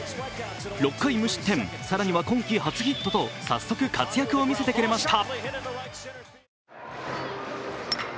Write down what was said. ６回無失点、更には今季初ヒットと早速活躍を見せてくれました。